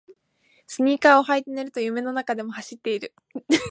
スニーカーを履いて寝ると夢の中でも走っている